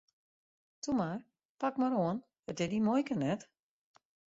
Toe mar, pak mar oan, it is dyn muoike net!